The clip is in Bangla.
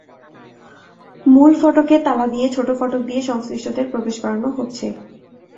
মূল ফটকে তালা দিয়ে ছোট ফটক দিয়ে সংশ্লিষ্টদের প্রবেশ করানো হচ্ছে।